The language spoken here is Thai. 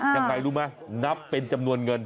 ยังไงรู้ไหมนับเป็นจำนวนเงิน